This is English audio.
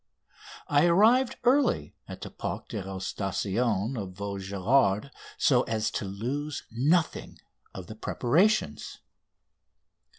I arrived early at the Parc d'Aerostation of Vaugirard so as to lose nothing of the preparations.